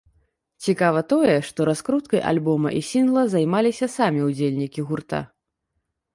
Цікава тое, што раскруткай альбома і сінгла займаліся самі ўдзельнікі гурта.